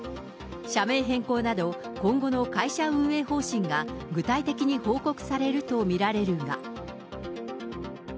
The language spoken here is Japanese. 社名変更など、今後の会社運営方針が具体的に報告されると見られるが。